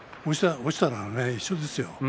落ちたら一緒ですよ。